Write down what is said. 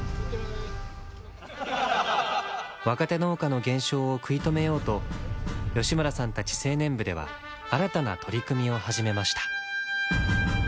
若手農家の減少を食い止めようと吉村さんたち青年部では新たな取り組みを始めました。